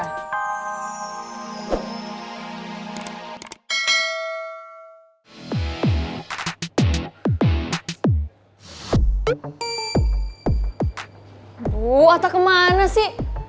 aduh ata kemana sih